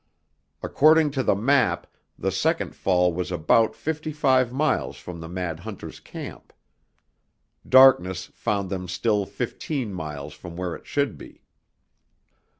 According to the map the second fall was about fifty five miles from the mad hunter's camp. Darkness found them still fifteen miles from where it should be.